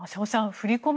振り込め